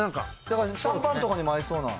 シャンパンとかにも合いそうな。